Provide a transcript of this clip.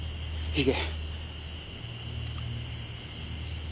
行け！